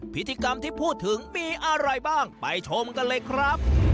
พิธีกรรมที่พูดถึงมีอะไรบ้างไปชมกันเลยครับ